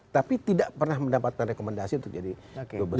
tapi tidak pernah mendapatkan rekomendasi untuk jadi gubernur